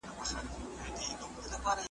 درد به د مرګ سره پای ته ورسیږي.